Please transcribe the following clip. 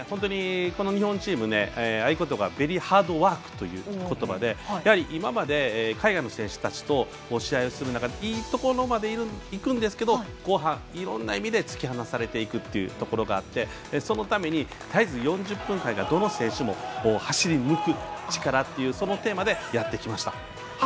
この日本チーム合言葉がベリーハードワークということばで今まで、海外の選手たちと試合をする中でいいところまでいくんですけど後半、いろんな意味で突き放されていくというところがあってそのために、とりあえず４０分間、どの選手も走り抜く力というそのテーマでやってきました。